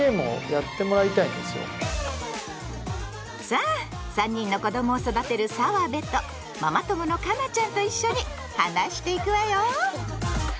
さあ３人の子どもを育てる澤部とママ友の佳奈ちゃんと一緒に話していくわよ！